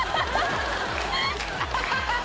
アハハハハ！